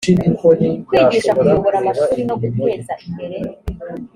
kwigisha kuyobora amashuli no guteza imbere